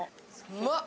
うまっ！